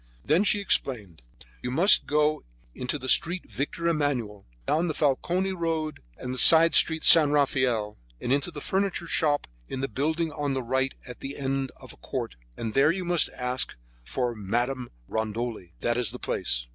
Then she explained: "You must go into the Street Victor Emmanuel, down the Falcone road and the side street San Rafael and into the furniture shop in the building at the right at the end of a court, and there you must ask for Madame Rondoli. That is the place."